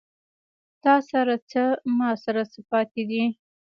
تاســـره څـــه، ما ســـره څه پاتې دي